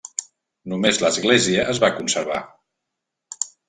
Només l'església es va conservar.